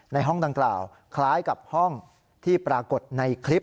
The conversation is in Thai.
ในห้องดังกล่าวคล้ายกับห้องที่ปรากฏในคลิป